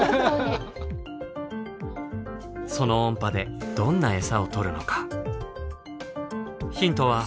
その音波でどんな餌を捕るのか？